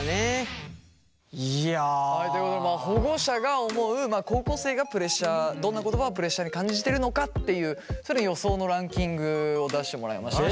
はいということで保護者が思う高校生がプレッシャーどんな言葉をプレッシャーに感じているのかっていう予想のランキングを出してもらいました。